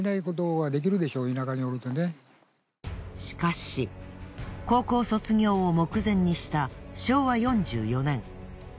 しかし高校卒業を目前にした昭和４４年。